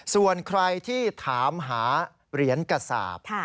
ส่วนใครที่ถามหาเหรียญกระสาป